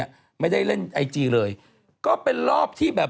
จากธนาคารกรุงเทพฯ